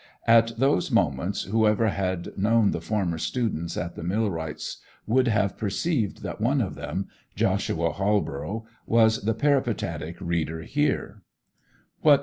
At those moments, whoever had known the former students at the millwright's would have perceived that one of them, Joshua Halborough, was the peripatetic reader here.